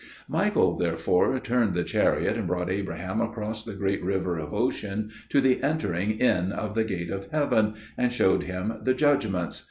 Michael therefore turned the chariot and brought Abraham across the great river of Ocean to the entering in of the gate of heaven, and showed him the judgments.